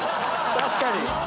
確かに。